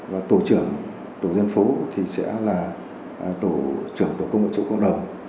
và tổ trưởng tổ dân phố thì sẽ là tổ trưởng tổ công nghệ số cộng đồng